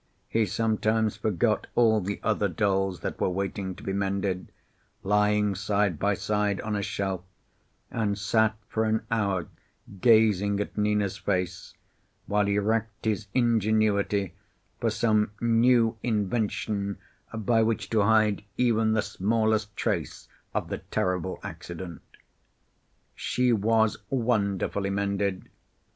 He sometimes forgot all the other dolls that were waiting to be mended, lying side by side on a shelf, and sat for an hour gazing at Nina's face, while he racked his ingenuity for some new invention by which to hide even the smallest trace of the terrible accident. She was wonderfully mended.